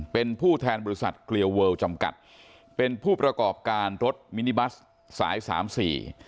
เป็นผู้แทนบริษัทเกลียวเวิลจำกัดเป็นผู้ประกอบการรถมินิบัสสายสามสี่